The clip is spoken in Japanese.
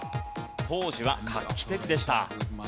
当時は画期的でした。